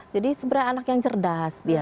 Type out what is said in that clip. jadi sebenarnya anak yang cerdas